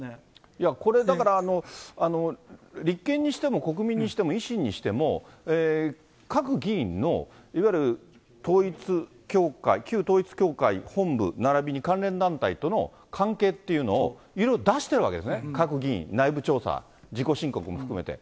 いやこれ、だから、立憲にしても、国民にしても、維新にしても、各議員の、いわゆる統一教会、旧統一教会本部ならびに関連団体との関係っていうのを、色々出しているわけですね、各議員、内部調査、自己申告も含めて。